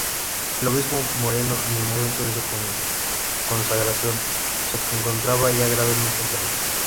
El obispo Moreno, en el momento de su consagración, se encontraba ya gravemente enfermo.